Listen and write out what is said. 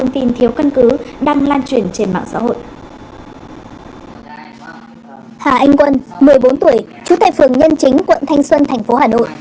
từ một mươi bốn tuổi chú tại phường nhân chính quận thanh xuân thành phố hà nội